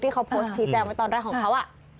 เขาโพสต์ชี้แจงไว้ตอนแรกของเขา